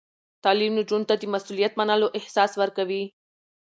تعلیم نجونو ته د مسؤلیت منلو احساس ورکوي.